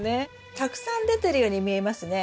たくさん出てるように見えますね。